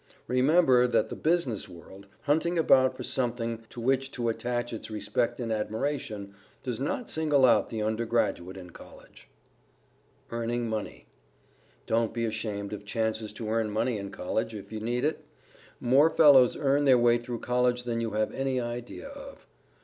Remember that the Business World, hunting about for something to which to attach its respect and admiration, does not single out the Undergraduate in College. [Sidenote: EARNING MONEY] Don't be ashamed of chances to earn money in College, if you need it. More fellows earn their way through College than you have any idea of.